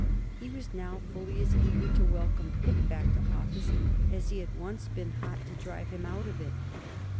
He was now fully as eager to welcome Pitt back to office as he had once been hot to drive him out of it.